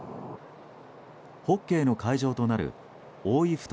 ホッケーの会場となる大井ふ頭